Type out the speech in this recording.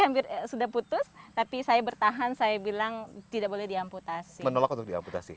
hampir sudah putus tapi saya bertahan saya bilang tidak boleh diamputasi menolak untuk diamputasi